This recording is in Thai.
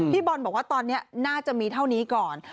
บอลบอกว่าตอนนี้น่าจะมีเท่านี้ก่อน